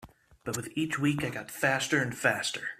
But with each week I got faster and faster.